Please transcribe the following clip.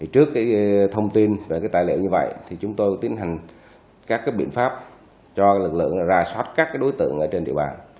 trước cái thông tin về cái tài liệu như vậy thì chúng tôi tiến hành các cái biện pháp cho lực lượng ra xót các cái đối tượng ở trên địa bàn